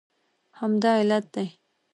همدا علت دی